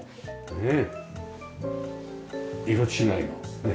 ねえ。